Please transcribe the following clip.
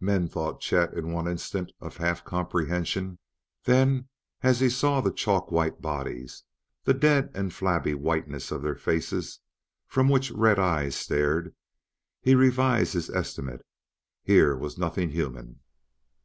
"Men!" thought Chef in one instant of half comprehension. Then, as he saw the chalk white bodies, the dead and flabby whiteness of their faces from which red eyes stared, he revised his estimate; here was nothing human.